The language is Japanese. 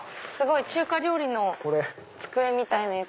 中華料理の机みたいなやつ。